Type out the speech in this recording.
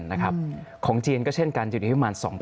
สิ่งที่ประชาชนอยากจะฟัง